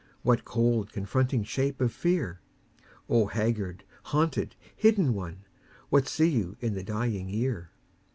What cold, confronting shape of fear? O haggard, haunted, hidden One What see you in the dying year?